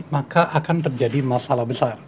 maka akan terjadi masalah besar